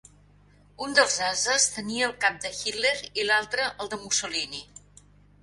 Un dels ases tenia el cap de Hitler i l'altre, el de Mussolini.